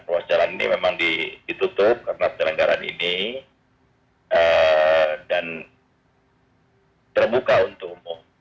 ruas jalan ini memang ditutup karena penyelenggaraan ini dan terbuka untuk umum